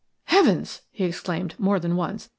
"Heavens!" he exclaimed more than once.